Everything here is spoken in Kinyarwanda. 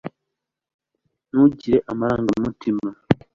ntugire amarangamutima